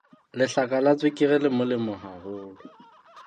Lehlaka la tswekere le molemo haholo.